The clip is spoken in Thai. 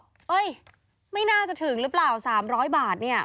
เฮ้ยไม่น่าจะถึงหรือเปล่า๓๐๐บาทเนี่ย